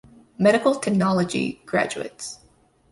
Medical Technology graduates.